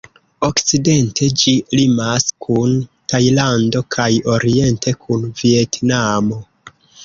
Okcidente ĝi limas kun Tajlando kaj oriente kun Vjetnamo.